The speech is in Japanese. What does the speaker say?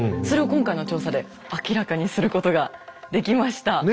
それを今回の調査で明らかにすることができました。